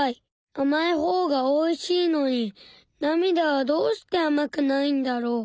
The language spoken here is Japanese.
あまいほうがおいしいのになみだはどうしてあまくないんだろう。